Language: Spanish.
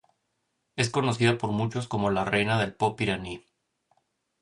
Es conocida por muchos como la reina del pop iraní.